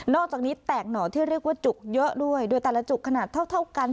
อกจากนี้แตกหน่อที่เรียกว่าจุกเยอะด้วยโดยแต่ละจุกขนาดเท่ากัน